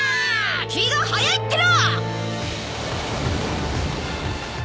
気が早いっての！